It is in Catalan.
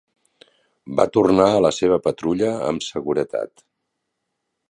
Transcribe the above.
Va tornar a la seva patrulla amb seguretat.